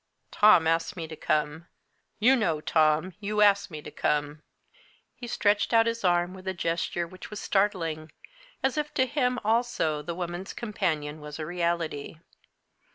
"Tom asked me to come. You know, Tom, you asked me to come." He stretched out his arm with a gesture which was startling, as if to him also the woman's companion was a reality.